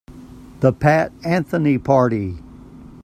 The Pat Anthony Party.